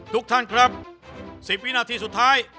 ทุกท่านครับ๑๐วินาทีสุดท้าย